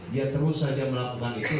dia terus saja melakukan itu